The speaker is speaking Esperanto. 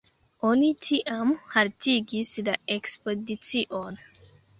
Oni tiam haltigis la ekspedicion.